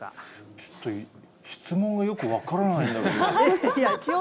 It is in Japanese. ちょっと質問がよく分からないんだけど。